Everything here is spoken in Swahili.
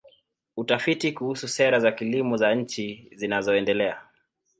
Utafiti kuhusu sera za kilimo za nchi zinazoendelea.